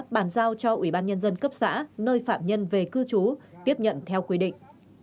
bàn giao cho ủy ban nhân dân cấp xã nơi phạm nhân về cư trú tiếp nhận theo quy định